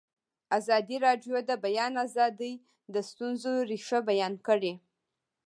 ازادي راډیو د د بیان آزادي د ستونزو رېښه بیان کړې.